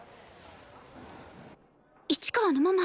市川のママ